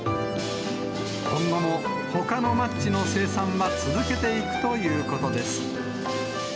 今後もほかのマッチの生産は続けていくということです。